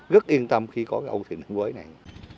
rất yên tâm khi có cái âu thuyền ninh quế này